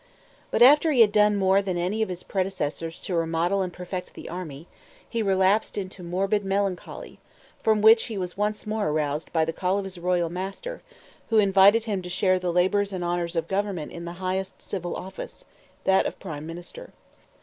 But after he had done more than any of his predecessors to remodel and perfect the army, he relapsed into morbid melancholy, from which he was once more aroused by the call of his royal master, who invited him to share the labors and the honors of government in the highest civil office, that of prime minister.